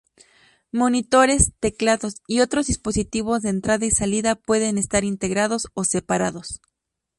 Monitores, teclados y otros dispositivos de entrada y salida pueden estar integrados o separados.